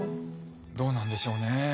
どうなんでしょうね。